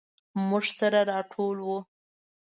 موږ سره راټول وو.